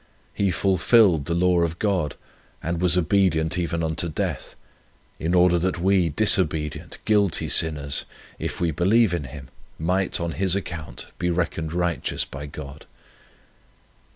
He fulfilled the law of God, and was obedient even unto death, in order that we disobedient, guilty sinners, if we believe in Him, might, on His account, be reckoned righteous by God.